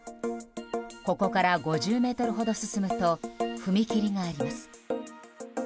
ここから５０ｍほど進むと踏切があります。